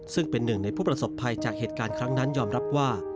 ซึ่งเป็นหนึ่งในผู้ประสบภัยจากเหตุการณ์ครั้งนั้นยอมรับว่า